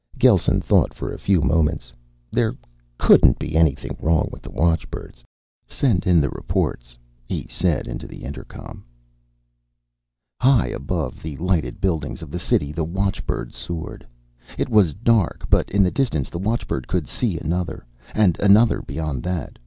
Gelsen thought for a few moments. There couldn't be anything wrong with the watchbirds. "Send in the reports," he said into the intercom. High above the lighted buildings of the city, the watchbird soared. It was dark, but in the distance the watchbird could see another, and another beyond that.